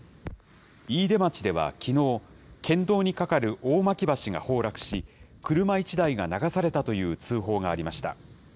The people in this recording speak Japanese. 飯豊町ではきのう、県道に架かる大巻橋が崩落し、車１台が流されたという通報がありました。